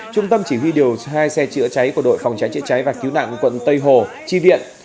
trung tâm chỉ huy điều hai xe chữa cháy của đội phòng cháy chữa cháy và cứu nạn quận tây hồ tri viện